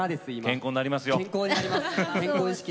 健康になります。